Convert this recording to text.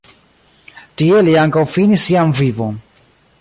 Tie li ankaŭ finis sian vivon.